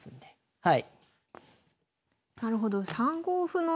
はい。